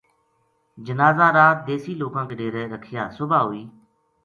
جنازہ رات دیسی لوکاں کے ڈیرے رکھیا صبح ہوئی